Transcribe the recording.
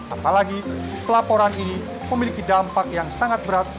apalagi pelaporan ini memiliki dampak yang sangat berat